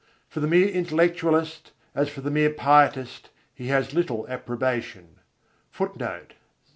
For the mere intellectualist, as for the mere pietist, he has little approbation. [Footnote: Cf.